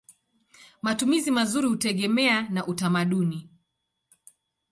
Matumizi mazuri hutegemea na utamaduni.